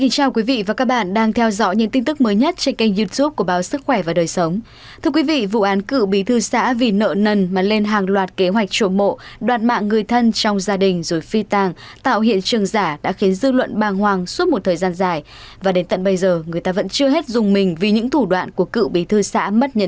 các bạn hãy đăng ký kênh để ủng hộ kênh của chúng mình nhé